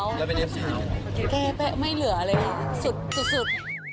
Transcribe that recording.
แล้วไปเต็มสีแก้แป๊ะไม่เหลือเลยสุดสุดสุด